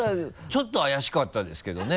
ちょっと怪しかったですけどね